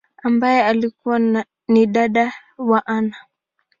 ambaye alikua ni dada wa Anna.